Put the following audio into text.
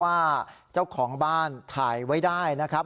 ว่าเจ้าของบ้านถ่ายไว้ได้นะครับ